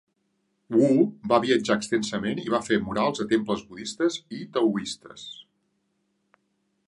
Wu va viatjar extensament i va fer murals a temples budistes i taoistes.